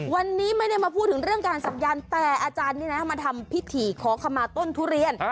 วันนี้ไม่ได้มาพูดถึงเรื่องการศักยันต์แต่อาจารย์นี่นะมาทำพิธีขอขมาต้นทุเรียน